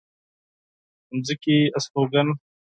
د ځمکې استوگن